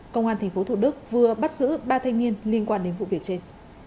công an tp thủ đức vừa bắt giữ ba thanh niên liên quan đến vụ việc trên